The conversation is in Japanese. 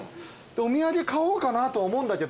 お土産買おうかなとは思うんだけど。